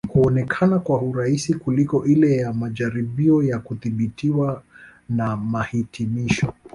Huonekana kuwa rahisi kuliko ile ya majaribio ya kudhibitiwa na mahitimisho